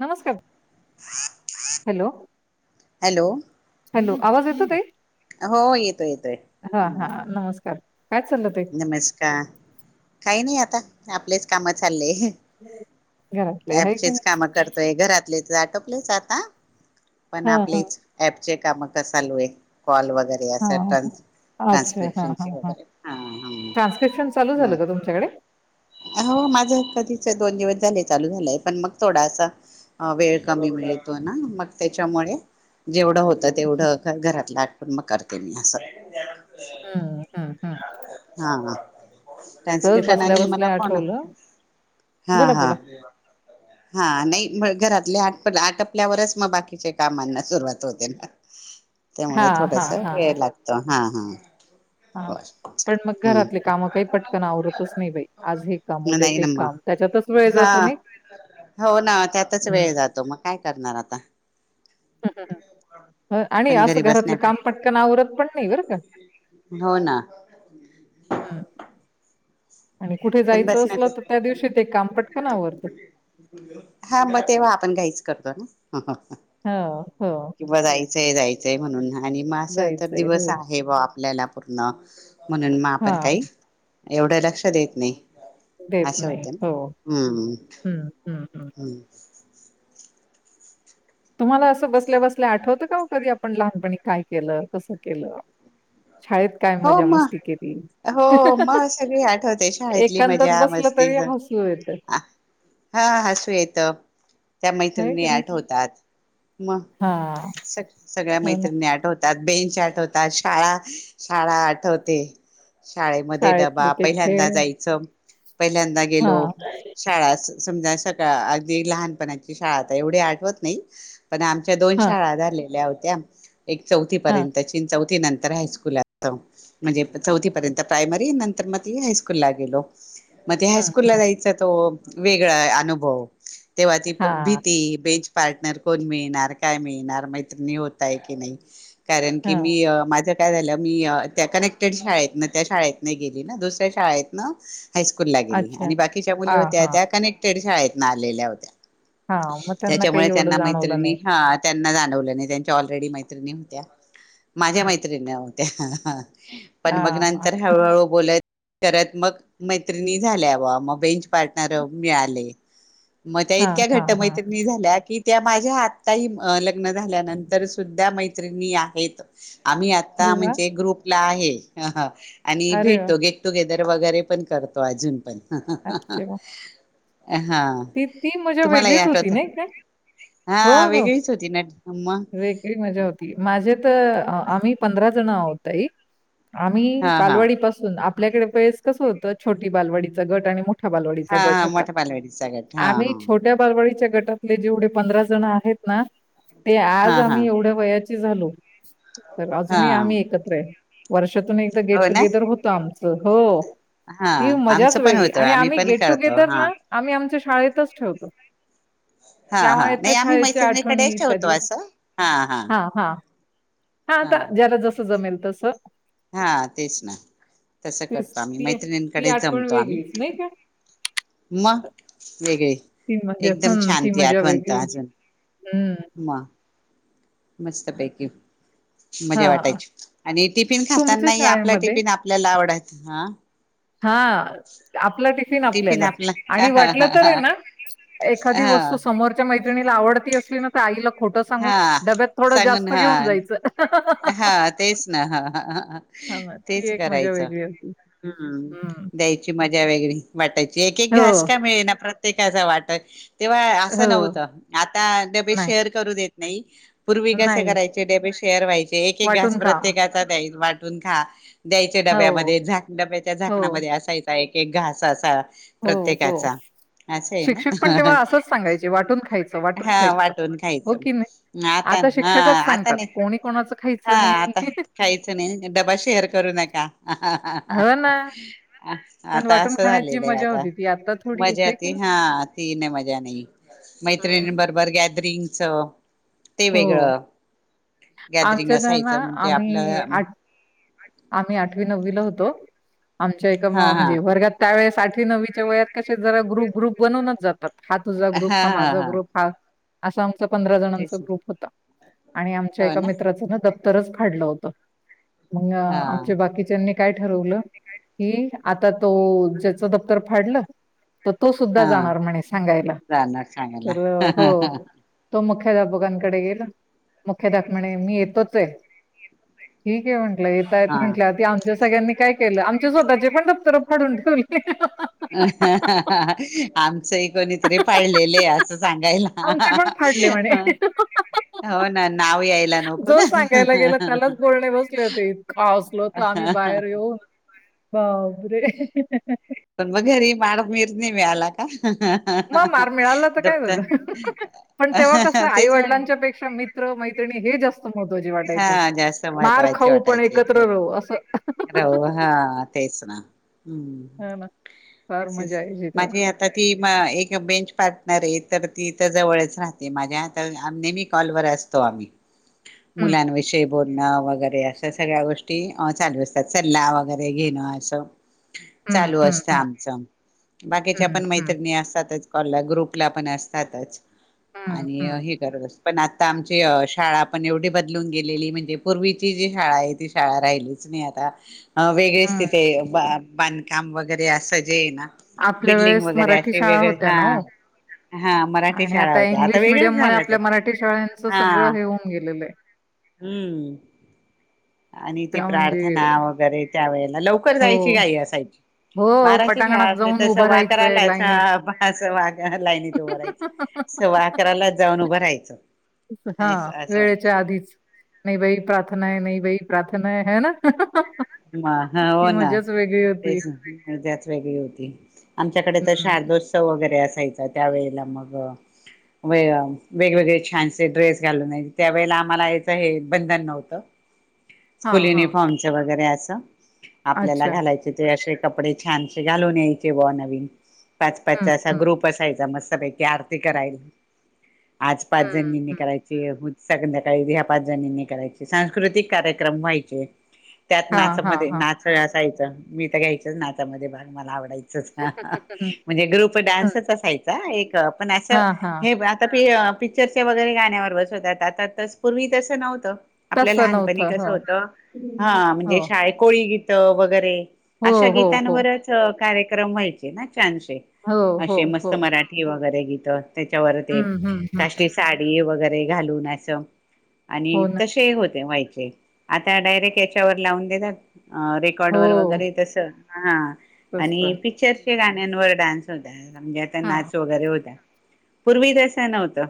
नमस्कार hello hello hello आवाज येतो ते हो येतो येतोय हम् नमस्कार काय चाललं ताई नमस् का काही नाही आता आपलेच कामं चाललेय घरातले आहे की चेच नाही काम करतोय घरातलेच आटपलेच आता पण हा हा आपलेच ऍप चे काम क चालू आहे कॉल वगैरे असं ट्रान्स हा अच्छा हा हा ट्रान्स्क्रिप्शनचे हा वगैरे हा हा ट्रान्स्क्रिप्शन चालू झालं हा. का तुमच्याकडे कधी दोन दिवस झाले चालू झालेय पण मग थोडा वेळ कमी मिळतो ना मग त्याच्यामुळे जेवढं होत अच्छा तेवढं घरातलं आठवण मग करते मी असं हा हा हा हा हा टान्स्क्रिप्शन आणि मला बसल्या फोन आठवलं हा बोला हा बोला हा नाही म घरातले आ आटपल्यावरच मग बाकीच्या कामांना सुरुवात होते ना हा त्यामुळे हा थोडस हा वेळ लागतो हा. हां हा पण मग घरातले काम काही पटकन आवरतच नाही बा आज हे काम उद्या नाही ते हे ना काम मग त्याच्यातच वेळ हा जातो नाही हो ना त्यातच वेळ हम्- जातो मग काय करणार आता ह आणि पण असं घरी घरातलं काम बसण्यापेक्षा पटकनवरत पण नाही बरं का हो ना ह- पण बसण्या दिवशी ते काम पटकन आवरतं. हा मग तेव्हा आपण घाईच करतो ना. हं, हो. की बजाई- जायचंय म्हणून आणि मा असं तर जायचंय. दिवस हो. आहे बा आपल्याला. पटणा म्हणून म आपण हां, काही. एवढं लक्ष देत, नाही. देत असं नाही होतं हो ना हम्म ह ह ह. तुम्हाला असं बसल्या बसल्या आठवतं, का कधी आपण लहानपणी काय केलं कसं केलं. शाळेत काय हो म मजा-मस्ती केली? हो म सगळी आठवते शाळेतली एकांतात मजा बसलं तरी मस्तीच हसू येतं, हा हसू येत. त्या आहे की मैत्रिणी नाही? आठवतात, मग हां, सग सगळ्या हो ना. मैत्रिणी आठवतात. त्यात बेंचॅ आठवतात शाळा, - शाळा आठवते. शाळेमध्ये शाळेतले डबा ते पहिल्यांदा खेळ. जायचं पहिल्यांदा गेलो हां, शाळा- समजा सकाळ अगदी लहानपणाची शाळा आता एवढी आठवत नाही. पण आमच्या दोन हां, शाळा झालेल्या होत्या. त्या. एक चौथी हां. पर्यंतची ची चौ- ते नंतर हास्कूल- म्हणजे चौथी पर्यंत प्रायमरी नंतर मग त हायस्कूल ला गेलो. मते हं, हायस्कूल ला हं. जायचा तो. वेगळा आहे अनुभव. तेव्हा ती हां, भीती बेज- पार्टनर कोण मिळणार काय मिळणार मैत्रिणी होताय की नाही. कारण की हां. मी माझ्या- काय झालं. मी त्या कनेक्टेड शाळेत ना त्या शाळेत नाही गेली ना दुसऱ्या शाळेत ना- हायस्कूल ला गेली अच्छा. आणि बाकीच्या मुली हां, होत्या हां, त्या कनेक्टेड. शाळेतन आलेल्या होत्या. हां. मग त्यांना काही त्याच्यामुळे एवढं त्यांना जाणवलं मैत्रिणी नाही. ह त्यांना जाणवलं नाही त्यांच्या ऑलरेडी मैत्री, निमत्या. माझ्या हं. मैत्रिणी. आहोत त्या. पण मग हां. नंतर हळूहळू बोलाय. करतमग मैत्रिणी झाल्या वर मग बेंच पार्टनर मिळाले. म त्या हां इतक्या हां घट्ट हां. मैत्रिणी झाल्या की, त्या माझ्या आताही लग्न झाल्यानंतर सुद्धा मैत्रिणी आहेत आम्ही. आता अरे वाह! म्हणजे ग्रुप ला आहे. ह हा आणि अरे वाह! भेटतो गेट टुगेदर र वगैरे पण करतो अजून पण अच्छा वाह! ह ती ती मजा वेगळीच होती आठवत नाही का, हो हा हो वेगळीच होती ना मग वेगळी मजा होती माझे तर, आम्ही पंधरा जण आहो तई आम्ही हा हा बालवडी पासून आपल्याकडे पेस कसं होतं छोटीलडीचं गट आणि मोठ हा हा मोठ्या बालवडी सगळत आम्ही छोट्या बालवाडी ळीच्या गटातले जेवढे पंधरा जण आहेत ना ते आज हा हा आम्ही एवढं वया झालो तर हा अजूनही आम्ही एकत्र आहे वर्ष तून एकदा गेट हो ना टुगेदर होतं आमच हो हा ती मजाच आमचं पण वेगळी होतं आणि आम्ही पण गेट करतो टुगेदर हा ना आम्ही आमच्या शाळेतच ठेवतो हा हा त्यामुळे त्या नाही आम्ही शाळेच्या मैत्रिणीकडे आठवणी ठेवतो इत्यादी असं हा हा हा हाता ज्याला जस जमेल तस, हा तेच ना तसं तीच करतो आम्ही ती ती मैत्रिणींकडे आठवण जमतो आम्ही वेगळीच नाही का? मग वेगळे ती मजा एकदम हम छान ती मजा आठवण तर वेगळी अजून हम्म मग मस्तपैकी मजा हां. वाटायची आणि टिफिन तुमच्या खाताना आपला शाळेमध्ये टिफिन आपल्याला आवडत हा हा आपलं पाहिजे ना टिफिन आपल्याला आपला आणि हा वाटलं तर ना एखादी हा वस्तू समोर मा टिफिन आवडली असली ना तर आईला खोटं सांगून हा डब्यात थोडं सांगून जास्त हा घेऊन जायचं हा तेच ना हा ह. अज हां, [unintelligible] मग ती तेच एक मजा करायचं वेगळी होती. हम्म हं. द्यायची मज जरा [unintelligible] वेगळी वाटायची एक एक हो, घास का मिळेना प्रत ते कसाचं [unintelligible] वाटत तेव्हा असं हो. नव्हतं आता डबे नाही, शेअर करू देत. नाही. पूर्वी कसे नाही. करायचे डबबे शेअर व्हाय एक घास वाटून खा. प्रत्येकाचा द्या. वाटून खा. द्यायचे हो, डब्यामध्ये झाक डब्याच्या हो, झाकणा मध्ये असायचा एक. एक घास असा हो हो प्रत्येकाचा असं आहे शिक्षक पण ना तेव्हा असंच सांगायचे वाटून खायचं वाटून हा खायचं वाटून हो खायचं की नाही आता हा शिक्षकच आता सांगतात नाही कोणी कोणाचं खायी हा आता खायच नाही डबा शेअर करू नका. हो ना, पण आता वाटून असं खाण्याची जी झालेलं आहे मजा आता होती ती थोडी आहे मजा है की ती नाही? हा ती नाही मजा नाही मैत्रिणी हं. बरोबर गॅदरिंग च. ते वेगळं. त्यांन हा असायचं म्हणजे आम्ही आपलं आठ आम्ही आठवी नववीला होतो. आमच्या एका म हा हा म्हणजे वर्गात त्यावेेळे साठ नवीच्या वयात कसे जरा ग्रुप ग्रुप बनूनच जातात. हा तुझा ग्रुप हा माझा ग्रुप हा. आसाम. त पंधरा जणांचा तेच ग्रुप होता. आणि आमच्या हो एका ना मित्राचं न द तरच फाडलं होत. न हा आमच्या बाकीच्यांनी, काय ठरवलं कि आता तो ज्याच दप्तर फाडलं तर तो सुद्धा हा जाणार म्हणे सांगायला जाणार तर हो सांगायला तो मग. [unintelligible] मुख्याध्यापकाकडे गेल मुख्याध्याप म्हणे मी येतोच हे ठीक हे म्हण म्हटल येतायेत हा म्हटल. सगळ्यांनी काय केलं आमचे स्वतःचे पण दफ्तर काढून ठेवले अ आमचं एक कोणीतरी पाळलेले असं आमचे पण फाडले म्हणे सांगायला हो ना नाव यायला नको जो ना सांगायला गेला त्यालाच बोलणे बसले होते इतका हसलो होतो आम्ही बाहेर तेठी पण मग घरी मार मिर नाही मिळाला का मग मार मिळाला तर काय दप्तर झालं पण तेव्हा कस आई तेच म्हण वडिलांच्या पेक्षा मित्र मैत्रिणी हे जास्त महत्त्वाचे वाटायचे हा जास्त मार खाऊ पण एकत्र राहू असं रह हा तेच ना हम् हा ना फार अस मजा यायची तेव्हा माझी आता ती एक बेंच पार्टनर आहे तर तिथ जवळच राहते माझ्या हात नेहमी कॉलवरर असतो आम्ही हम्म मुलान विषय बोलणं वगैरे अशा सगळ्या गोष्टी चालू त्या चल्ला वगैरे घेणो असं हम्म चालू हम्म असत हम्म आमच बाकीच्या हं, पण हं, मैत्रिणी असतातच कॉलला ग्रुप कुठल्या पण असतातच हं, आणि हं, हे करतस पण आता आम शाळा पण एवढी बदलून गेलेली म्हणजे पूर्वीची जी शाळा आहे ती शाळा राहिलीच नाही आ आ अ वेगळेच हं. तिथे बांधकाम वगैरे असं जे आहे ना आपल्या बिल्डिंग वेळेस वगैरे मराठी असे शाळा वेगळे होत्या हा ना हो हा मराठी आणि शाळा आता होत्या इंग्लिश मिडियम वेगळंच मुले झालं ते आपल्या मराठी शाळच हा सगळं हे होऊन गेलेलं आहे हम्म आणि ते त्या म्हणजे प्रार्थना वगैरे त्या वेळेत. याला लवकर हो, जायची घाई असायची. हो बाराची शाळा पटांगणात असल्या जाऊन तर उभं सव्वा राहायचंय अकरालाच लाईनीत. असं माझ्या लाईनीत उभं रायचं. सव्वा अकरालाच जाऊन उभं रायचं. हा वेळेच्या आधीच. नाही बाई प्रार्थना आहे, नाही बाई प्रार्थना आहे हाय ना? मी ह हो ती ना. मजाच वेगळी तेच होती मज्जाच वेगळी होती. आमच्याकडे तर हं, शारदोत्सव वगैरे असाय यचा. त्यावेळेला मग व वेगवेगळे छानसे ड्रेस घालून आणि त्यावेळेला आम्हाला इथं हे बंधन नव्हतं. हां, स्कूल हां. युनिफॉर्मचे वगैरे असं आपल्याला अच्छा. घालायचे ते असे कपडे छानसे घालून यायचे बुवा नवीन. पाच हं, पाचचा असा हं, ग्रुप असायचा मस्त. [unintelligible] आरती कराय. आज पाच हं, जणींनी हं. करायची. उ संध्याकाळीबी ह्या पाच जणींनी करायची. सांस्कृतिक कार्यक्रम व्हायचे. त्यात हां, नाच हां, मध्ये हां. नाचण्यास जायचं. मी तर घ्यायचेच नाचामध्ये भाग, मला आवडायचं. हं, म्हणजे ग्रुप हं. डान्सच असायचा. एक पण असं हां, हां. हे [unintelligible] ते पिक्चरच्या वगैरे गाण्यावर बसवतात. आता तस पूर्वी तसं नव्हतं. आपल्या तसं लहानपणी नव्हतं. कसं हो. होतं हो. हा म्हणजे कोळी गीतं, वगैरे. हो, अशा हो, हो. गीतांवरच कार्य क्रम व्हायचे ना. छानशे हो, हो, असे मस्त हो. मराठी वगैरे. गीत त्याच्यावर ते हं, हं, हं. काष्टी साडी वगैरे ते घालून असं. आणि हो ना. तसे हे होते व्हाईट. ते. आता डायरेक्ट याच्यावर लावून त्याचा अ रेकॉर्ड हो, वर वगैरे तसं हां. आणि तसं. पिक्चर त्या गाण्यांवर डान्स होता म्हणजे आता हां, नाच वगैरे होत्या. पूर्वी तसं नव्हतं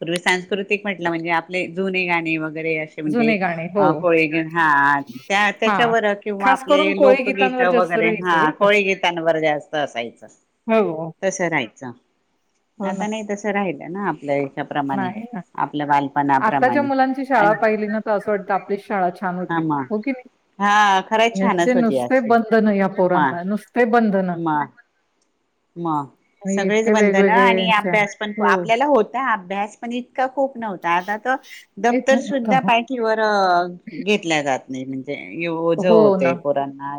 पूर्वी सांस्कृतिक म्हटलं म्हणजे आपले जुने गाणे व र असे म्हणजे जुने गाणे. हो. कोळे हा त्या हां. त्याच्यावर किंवा खास आपले करून कोळी लोकगीत गीतांवर [unintelligible] जास्त वगैरे हा राहायचं बरं का. कोळी गीतांवर जास्त असायचं हो, तस राहायचं हो ना. आता नाही तसं राहिल. ना आपल्या याच्याप्रमाणे नाही ना आपल्या आताच्या बालपणाप्रमाणे मुलांची शाळा आणि पाहिली ना तर असं वाटत आपलीच शाळा छान हा होती. म हा खरंच यांचे छानच होती नुसते असे बंधन, या म पोरांना नुसते बंधन. मग सगळेच बंध, आणि यांच्या अभ्यास पण हो. आपल्याला होता. हा बॅ [inaudible] का खूप नव्हता आता तर इथं दप्तर सुद्धा हो. पायठीवर घेतल्या जात नाही. ओझ हो ना होते पोरांना.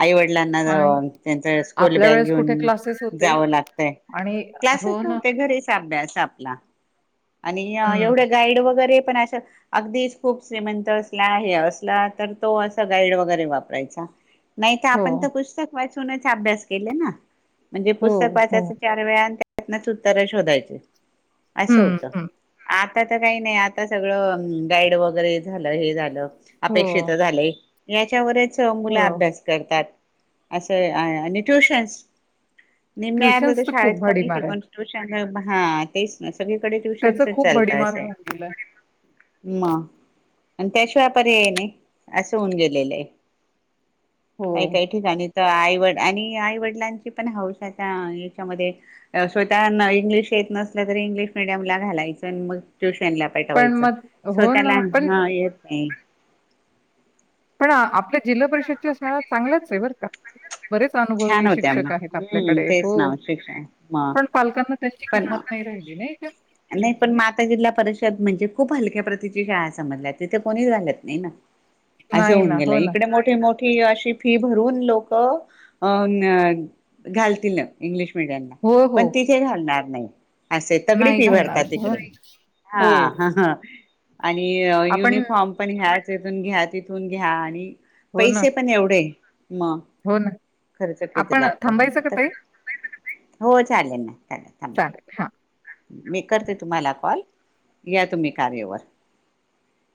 आई वडिलांना आणि अं त्यांच स्कूल आपल्या बॅग वेळेस घेऊन कुठे क्लासेस होते जाव लागतय आणि क्लासच हो ना. न्हवते घरीच अभ्यास आपला. आणि हं. एवढे गाईड वगैरे पण अस अगदीच खूप श्रीमंत असला, हे असला तर तो अस गाईड वगैरे वापरायचा. नाही तर हो, आपण तर पुस्तक वाचून आपणच अभ्यास केले ना. म्हणजे हो, पुस्तक हो. वाचायचं चार वेळा. आण त्यातनच उत्तर शोधायची. असं हं, होत. हं. आ आता तर काही नाही. आता सगळं गाईड वगैरे झालं, हे झालं हो, अपेक्षित झाले. याच्यावरच मुलं हो. अभ्यास करतात. असं आ आणि ट्युशन्स नाही मी आर्ध तर ट्युशन्सचं शाळेत खूप कमी, भडीमार आहे. पण ट्यूशन हा तेच नसते. सगळीकडे ट्युशनच त्याचं खूप चालत भडीमार असय. होऊन गेलंय. म आणि त्याशिवाय पर्याय नाही असं होऊन गेलेलय ते. काही हो. काही ठिकाणी आईवड आणि आईवडिलांची पण हौस. त्या याच्यामध्ये स्वतः इंग्लिश येत नसलं तरी इंग्लिश मिीडियमला घालायचं. मग ट्युशन ला पण पठवायच. मग हो स्वताला ना. पण हा येत नाही. पण आपल्या जिल्हा परिषदच्या शाळा चांगल्याच आहे. बरं का बरेच छान अनुभवी होत्या मग शिक्षक आहेत. हम्म आपल्याकडे तेच हो ना शिक्षण मग पण पालकांना त्यांची पण किंमत नाही राहिली नाही का? नाही पण माता जिल्हा परिषद म्हणजे खूप हलक्या प्रतिची शाळा समजल्या. तिथे कोणीच घालत नाही. ना असे नाही होऊन ना. गेला. हो ना. इकडे मोठे मोठे अ फी भरून लोक घालतील. हो, हो. तिथे घालणार. नाही. असे तगडी नाही पी घालणार. भरतात हो, तिकड हा हो. ह ह. आणि आपण युनिफॉर्म पण ह्याच तथून घ्या तिथून घ्या आणि हो ना, पैसे पण एवढे मग हो ना. खर्च किती आपण लागतो थांबायचं का त ताई? हो चालेल ना चालेल थांब चालेल हा मी करते तुम्हाला कॉल या तुम्ही कार्यवर